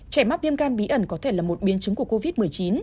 trẻ mắc viêm gan bí ẩn có thể là một biến chứng của covid một mươi chín